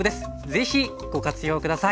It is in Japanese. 是非ご活用下さい。